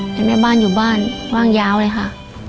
แม่บ้านอยู่บ้านว่างยาวเลยค่ะ